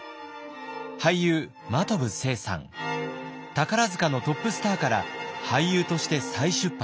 宝塚のトップスターから俳優として再出発。